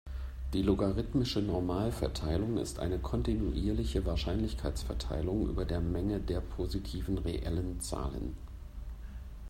Die logarithmische Normalverteilung ist eine kontinuierliche Wahrscheinlichkeitsverteilung über der Menge der positiven reellen Zahlen.